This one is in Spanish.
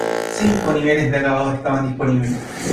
Cinco niveles de acabado estaban disponibles.